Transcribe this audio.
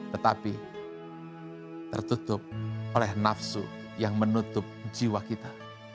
tetapi tertutup oleh nafsu yang menutup jiwa kita